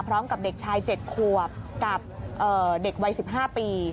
พร้อมกับเด็กชายเจ็ดขวบกับเอ่อเด็กวัยสิบห้าปี